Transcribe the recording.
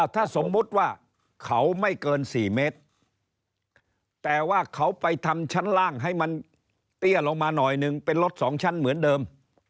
ถ้าสมมุติว่าเขาไม่เกิน๔เมตรแต่ว่าเขาไปทำชั้นล่างให้มันเตี้ยลงมาหน่อยหนึ่งเป็นรถสองชั้นเหมือนเดิม